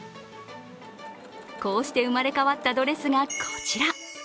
こうして生まれ変わったドレスがこちら。